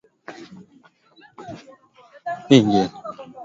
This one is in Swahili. tuhma kuwa uligubikwa na wizi wa kura na hivyo haukuwa huru na haki